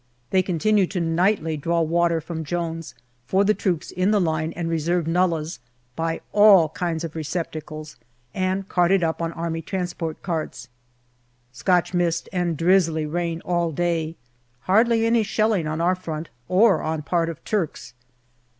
They continue to nightly draw water from Jones for the troops in the line and reserve nullahs by all kinds of receptacles, and cart it up on A.T. carts. Scotch mist and drizzly rain all day. Hardly any shelling on our front or on part of Turks.